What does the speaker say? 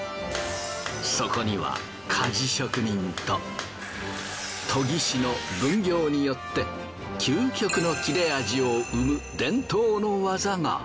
そこには鍛冶職人と研ぎ師の分業によって究極の切れ味を生む伝統の技が。